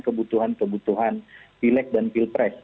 kebutuhan kebutuhan pilek dan pilpres